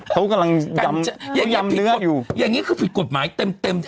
เขากำลังยำเขายำเนื้ออยู่อย่างงี้คือผิดกฎหมายเต็มเต็ม